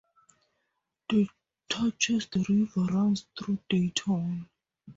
The Touchet River runs through Dayton.